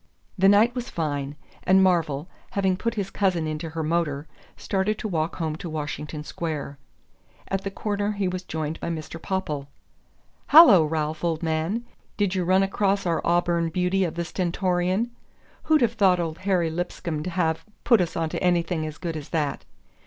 The night was fine, and Marvell, having put his cousin into her motor, started to walk home to Washington Square. At the corner he was joined by Mr. Popple. "Hallo, Ralph, old man did you run across our auburn beauty of the Stentorian? Who'd have thought old Harry Lipscomb'd have put us onto anything as good as that?